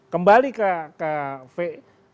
kembali ke film tadi